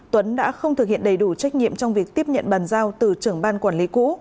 tuấn đã không thực hiện đầy đủ trách nhiệm trong việc tiếp nhận bàn giao từ trưởng ban quản lý cũ